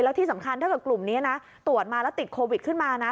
แล้วที่สำคัญถ้าเกิดกลุ่มนี้นะตรวจมาแล้วติดโควิดขึ้นมานะ